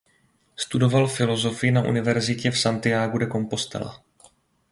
Studoval filosofii na Univerzitě v Santiagu de Compostela.